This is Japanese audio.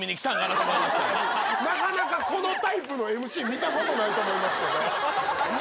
なかなかこのタイプのＭＣ見たことないと思いますけど。